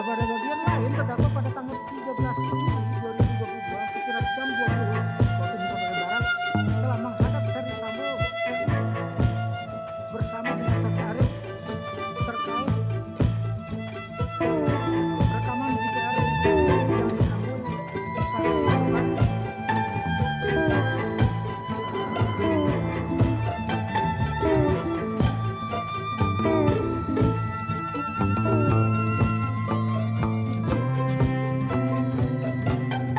saksi arisaya sudah berada di bali